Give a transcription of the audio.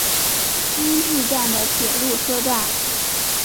今治站的铁路车站。